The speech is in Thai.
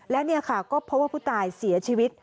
และนี่ค่ะก็เพราะว่าผู้ตายเสียชีวิต